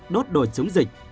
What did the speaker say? đốt đồ chống dịch